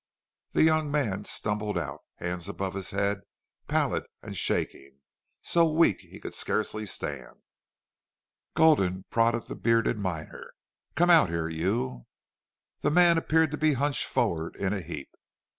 The young man stumbled out, hands above his head, pallid and shaking, so weak he could scarcely stand. Gulden prodded the bearded miner. "Come out here, you!" The man appeared to be hunched forward in a heap.